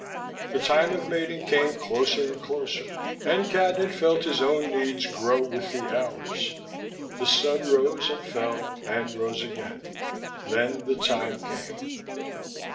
The time of mating came closer and closer, and Cadnan felt his own needs grow with the hours. The sun rose, and fell, and rose again. Then the time came.